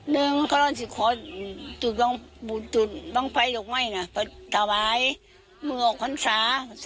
บุตรจุดบ้างไฟหรือไม่นะถ้าไหวมึงออกขวัญศาสตร์